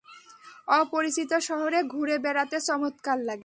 অপরিচিত শহরে ঘুরে বেড়াতে চমৎকার লাগে।